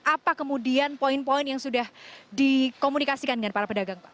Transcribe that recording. apa kemudian poin poin yang sudah dikomunikasikan dengan para pedagang pak